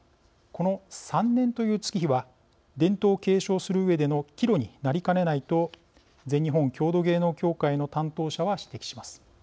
この３年という月日は伝統を継承するうえでの岐路になりかねないと全日本郷土芸能協会の担当者は指摘します。